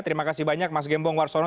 terima kasih banyak mas gembong warsono